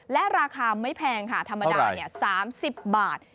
และราคาไม่แพงค่ะธรรมดา๓๐บาท